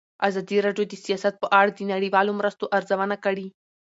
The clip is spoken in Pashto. ازادي راډیو د سیاست په اړه د نړیوالو مرستو ارزونه کړې.